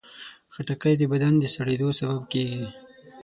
خټکی د بدن د سړېدو سبب کېږي.